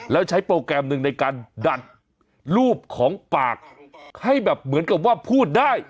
แล้วใช้โปรแกรมหนึ่งในการดัดรูปของปากให้แบบเหมือนกับว่าพูดได้